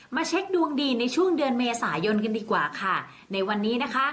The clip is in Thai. เช็คดวงดีในช่วงเดือนเมษายนกันดีกว่าค่ะในวันนี้นะคะ